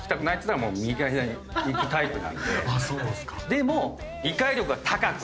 でも。